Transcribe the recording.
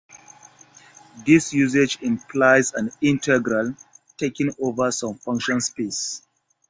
This usage implies an integral taken over some function space.